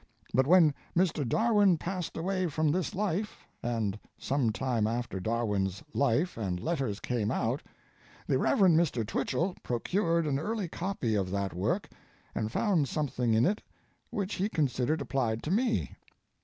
But when Mr. Darwin passed away from this life, and some time after Darwin's Life and Letters came out, the Rev. Mr. Twichell procured an early copy of that work and found something in it which he considered applied to me.